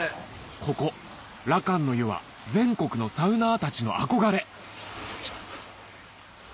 ここらかんの湯は全国のサウナーたちの憧れ失礼します。